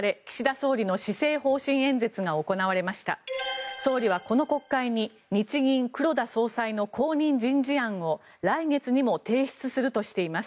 総理はこの国会に日銀、黒田総裁の後任人事案を来月にも提出するとしています。